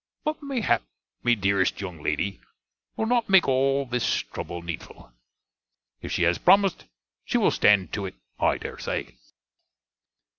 But mayhap my deareste young lady will not make all this trubble needful. If she has promissed, she will stand to it, I dare to say.